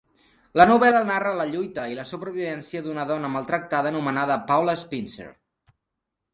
La novel·la narra la lluita i la supervivència d'una dona maltractada anomenada Paula Spencer.